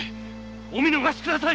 お見逃しください！